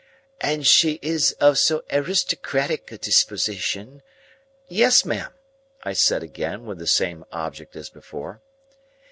"And she is of so aristocratic a disposition—" "Yes, ma'am," I said again, with the same object as before.